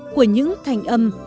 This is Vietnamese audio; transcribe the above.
của những thành âm